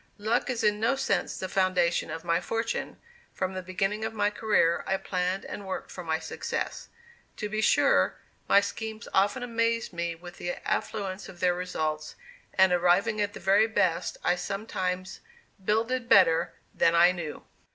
Luck is in no sense the foundation of my fortune; from the beginning of my career I planned and worked for my success. To be sure, my schemes often amazed me with the affluence of their results, and, arriving at the very best, I sometimes "builded better" than "I knew."